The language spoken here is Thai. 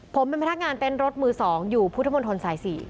ผมเป็นพนักงานเต้นรถมือ๒อยู่พุทธมนตรสาย๔